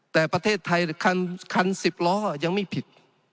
แต่ประเทศไทยคัน๑๐ล้อยังไม่ผิด